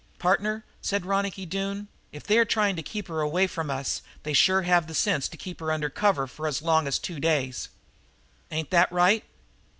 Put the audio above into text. "Partner," said Ronicky Doone, "if they are trying to keep her away from us they sure have the sense to keep her under cover for as long as two days. Ain't that right?